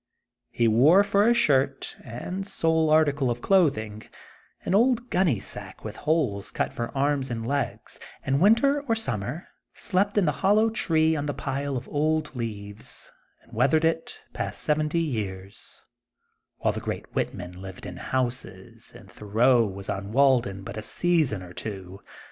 He wore for a shirt and sole article of clothing an old gunny sack with holes cut for arms and legs, and winter or summer slept in the hollow tree on the pile of old leaves, and weathered it past seventy years, while the great Whitman lived in houses, and Thoreau was on Walden but a season or two.